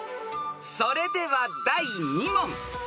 ［それでは第２問］